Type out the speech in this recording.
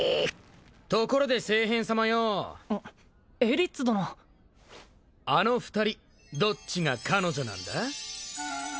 ところで聖変様よおエリッツ殿あの二人どっちが彼女なんだ？